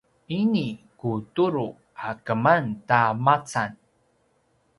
ini ku turu a keman ta macam